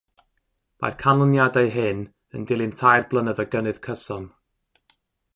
Mae'r canlyniadau hyn yn dilyn tair blynedd o gynnydd cyson.